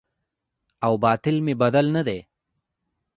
او باطن مې بدل نه دی